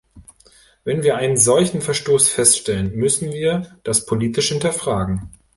Wenn wir einen solchen Verstoß feststellen, müssen wir das politisch hinterfragen.